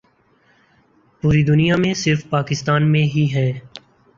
پوری دنیا میں صرف پاکستان میں ہی ہیں ۔